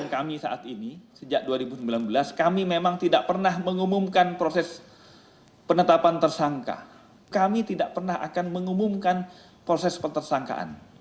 kami tidak pernah akan mengumumkan proses pentersangkaan